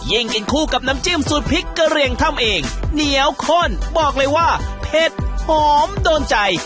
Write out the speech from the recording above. กินคู่กับน้ำจิ้มสูตรพริกกระเหลี่ยงทำเองเหนียวข้นบอกเลยว่าเผ็ดหอมโดนใจ